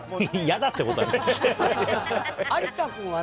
やだってことは。